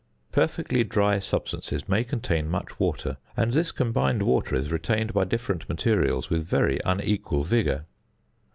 Perfectly dry substances may contain much water, and this combined water is retained by different materials with very unequal vigour.